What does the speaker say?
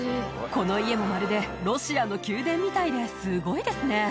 この家もまるでロシアの宮殿みたいですごいですね。